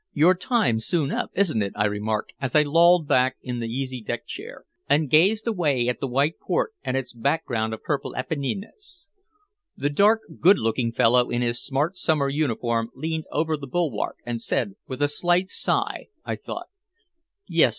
"Your time's soon up, isn't it?" I remarked, as I lolled back in the easy deck chair, and gazed away at the white port and its background of purple Apennines. The dark, good looking fellow in his smart summer uniform leaned over the bulwark, and said, with a slight sigh, I thought "Yes.